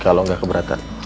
kalau gak keberatan